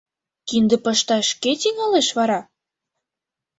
Кинде пышташ кӧ тӱҥалеш вара?